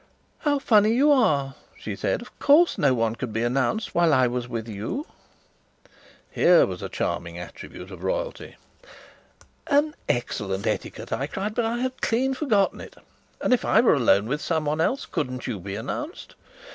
"How funny you are," she said. "Of course no one could be announced while I was with you." Here was a charming attribute of royalty! "An excellent etiquette!" I cried. "But I had clean forgotten it; and if I were alone with someone else, couldn't you be announced?"